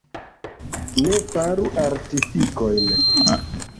Ne faru artifikojn.